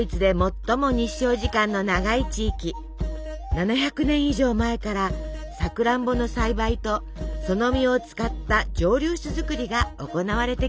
７００年以上前からさくらんぼの栽培とその実を使った蒸留酒造りが行われてきました。